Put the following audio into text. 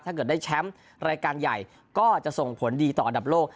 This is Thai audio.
ถ้าเกิดได้แชมป์รายการใหญ่ก็จะส่งผลดีต่ออันดับโลก